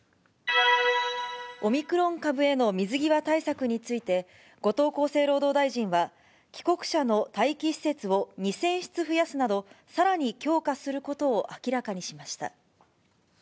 オミクロン株への水際対策について、後藤厚生労働大臣は、帰国者の待機施設を２０００室増やすなど、さらに強化することを明らかにしました。